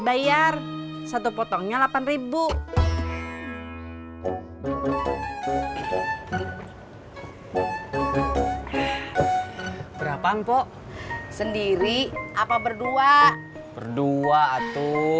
bayar satu potongnya delapan ribu berapa mpok sendiri apa berdua berdua atau